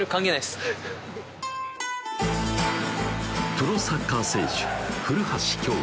プロサッカー選手